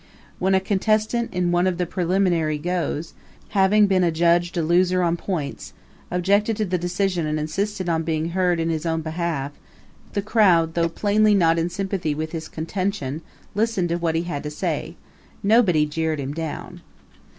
When a contestant in one of the preliminary goes, having been adjudged a loser on points, objected to the decision and insisted on being heard in his own behalf, the crowd, though plainly not in sympathy with his contention, listened to what he had to say. Nobody jeered him down.